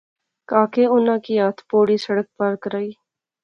کاکے اُناں کی ہتھ پوڑی سڑک پار کرائی